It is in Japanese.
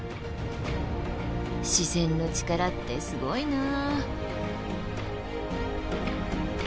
自然の力ってすごいなあ。